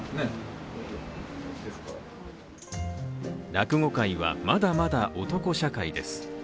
落語界はまだまだ男社会です。